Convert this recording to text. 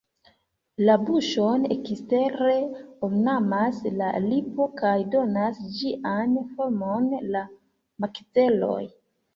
La buŝon ekstere ornamas la lipo kaj donas ĝian formon la makzeloj.